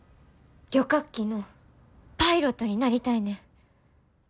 旅客機のパイロットになりたいねん。